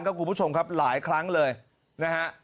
คุณผู้ชมครับหลายครั้งเลยนะฮะ